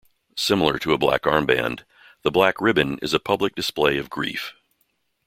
Similar to a black armband, the black ribbon is a public display of grief.